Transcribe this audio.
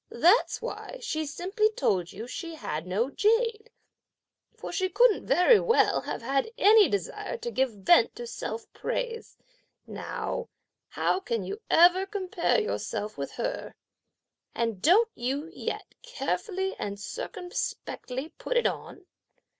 That's why she simply told you that she had no jade; for she couldn't very well have had any desire to give vent to self praise. Now, how can you ever compare yourself with her? and don't you yet carefully and circumspectly put it on?